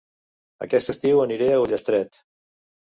Aquest estiu aniré a Ullastret